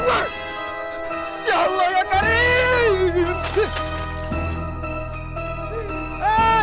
ya allah ya tariq